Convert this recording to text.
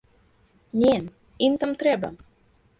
Не, ім там трэба!